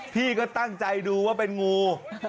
พี่ก็ตั้งใจดูว่าเป็นงู